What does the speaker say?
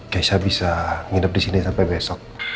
jesha bisa nginap disini sampai besok